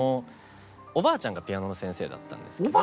おばあちゃんがピアノの先生だったんですけど。